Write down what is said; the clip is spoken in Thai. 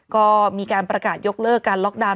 ก็มีการประกาศยกเลิกการล็อกดาวน